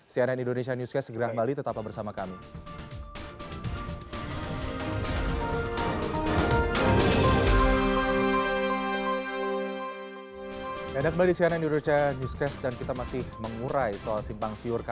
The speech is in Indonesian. cnn indonesia newscast segera kembali